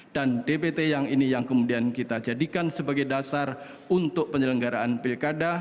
dan dbt yang ini yang kemudian kita jadikan sebagai dasar untuk penyelenggaraan pilkada